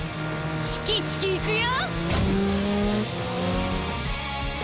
チキチキいくよ！